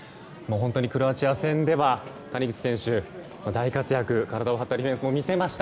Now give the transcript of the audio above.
クロアチア戦では谷口選手の大活躍体を張ったディフェンスも見せました。